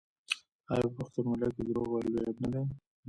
آیا په پښتونولۍ کې دروغ ویل لوی عیب نه دی؟